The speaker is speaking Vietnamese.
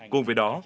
cùng với đó